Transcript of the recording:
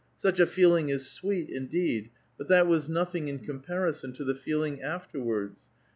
Such a feeling is sweet, in deed ; but that was nothing in comparison to the feeling afterwards.